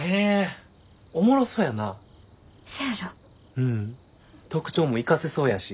うん特徴も生かせそうやし。